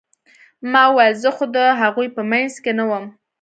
ما وويل زه خو د هغوى په منځ کښې نه وم.